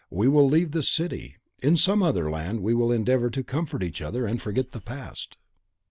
We will leave this city. In some other land we will endeavour to comfort each other, and forget the past."